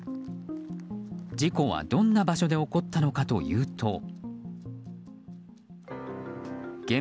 事故はどんな場所で起こったのかというと。